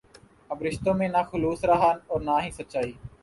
اب رشتوں میں نہ خلوص رہا ہے اور نہ ہی سچائی